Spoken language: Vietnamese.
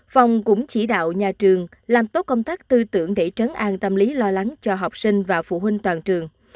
phòng cũng chỉ đạo nhà trường làm tốt công tác tư tưởng để trấn an tâm lý lo lắng cho học sinh và phụ huynh toàn trường